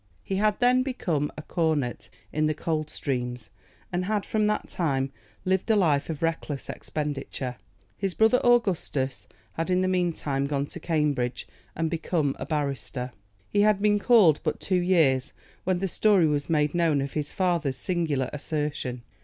He had then become a cornet in the Coldstreams, and had, from that time, lived a life of reckless expenditure. His brother Augustus had in the mean time gone to Cambridge and become a barrister. He had been called but two years when the story was made known of his father's singular assertion.